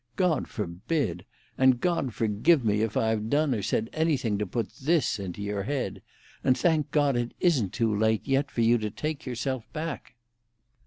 God forbid! And God forgive me, if I have done or said anything to put this in your head! And thank God it isn't too late yet for you to take yourself back."